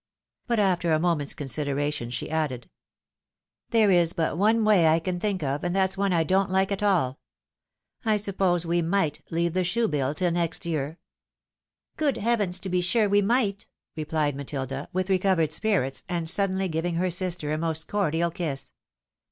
But after a moment's consideration, she added, "There is but one way I can think of, and that's one I don't Uke at all. I suppose we might leave the shoe bill tiU next year." DISAPPOINTMENT. 199 " Good heavens ! to be sure we might," rephed Matilda, with recovered spirits, and suddenly giving her sister a most cordial kiss.